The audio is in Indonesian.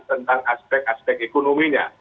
tentang aspek aspek ekonominya